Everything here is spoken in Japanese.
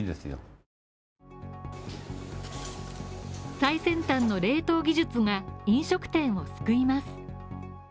最先端の冷凍技術が飲食店を救います。